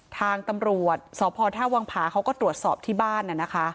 ทางตำรวจสพท่าวังผาเขาก็ตรวจสอบที่บ้าน